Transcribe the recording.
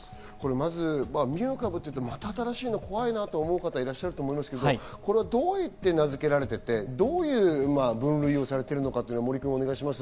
まずミュー株と言って、また新しいのが怖いなと思う方がいらっしゃると思いますけど、どう名付けられて、どう分類されているのか、森君お願いします。